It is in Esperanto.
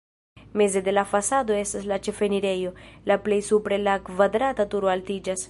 Meze de la fasado estas la ĉefenirejo, la plej supre la kvadrata turo altiĝas.